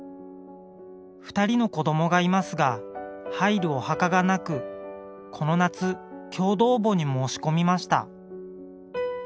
２人の子どもがいますが入るお墓がなくこの夏共同墓に申し込みました。